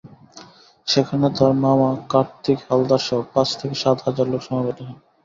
সেখানে তাঁর মামা কার্তিক হালদারসহ পাঁচ থেকে সাত হাজার লোক সমবেত হয়।